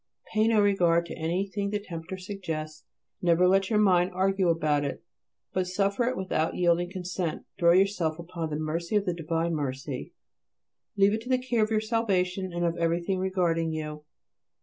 Pay no regard to anything the tempter suggests. Never let your mind argue about it; but suffer it without yielding consent. Throw yourself upon the mercy of the divine Mercy. Leave to it the care of your salvation and of everything regarding you.